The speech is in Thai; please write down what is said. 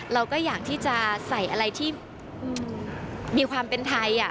เราก็อยากที่จะใส่อะไรที่มีความเป็นไทย